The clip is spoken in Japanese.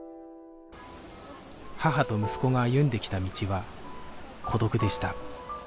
母と息子が歩んできた道は孤独でした